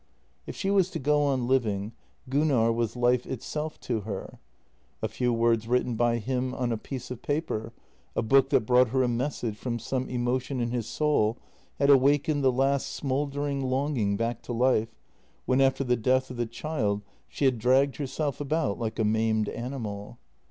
If she was to go on living, Gunnar was life itself to her. A few words written by him on a piece of paper, a book that brought her a message from some emotion in his soul had awakened the last smouldering longing back to life when after the death of the child she had dragged herself about like a maimed animal.